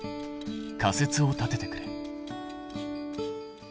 仮説を立ててくれ。